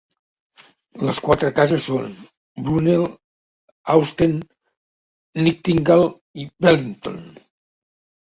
Les quatre cases són: Brunel, Austen, Nightingale i Wellington.